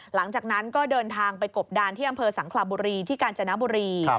หลังจากนั้นก็เดินทางไปกบดานที่อำเภอสังคลาบุรีที่กาญจนบุรี